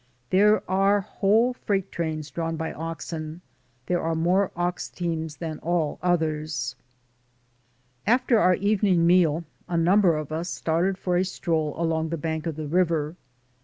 77 There are whole freight trains drawn by oxen; there are more ox teams than all others. After our evening meal, a number of us started for a stroll along the bank of the river.